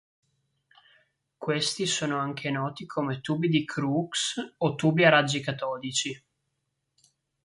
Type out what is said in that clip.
Questi sono anche noti come tubi di Crookes o tubi a raggi catodici.